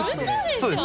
そうです。